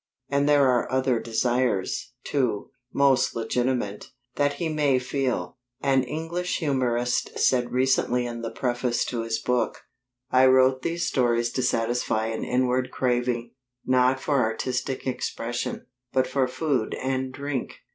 And there are other desires, too, most legitimate, that he may feel. An English humorist said recently in the preface to his book: "I wrote these stories to satisfy an inward craving not for artistic expression, but for food and drink."